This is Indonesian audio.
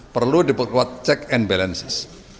perlu diperkuat check and balances